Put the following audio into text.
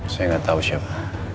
saya gak tahu siapa